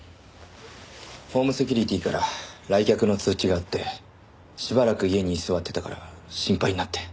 ホームセキュリティーから来客の通知があってしばらく家に居座ってたから心配になって。